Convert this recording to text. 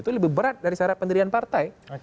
itu lebih berat dari syarat pendirian partai